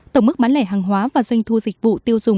tổng mức bán lẻ hàng hóa và doanh thu dịch vụ tiêu dùng